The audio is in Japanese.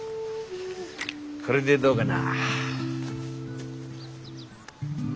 これでどうがな。